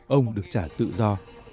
ông được trả tự do